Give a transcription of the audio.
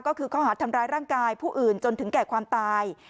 ก็คือข้อหาดทำร้ายร่างกายผู้อื่นจนถึงแก่ความตาย